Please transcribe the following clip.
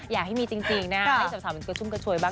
อยากให้มีจริงนะฮะให้สำหรับสำหรับชุ่มกระชวยบ้าง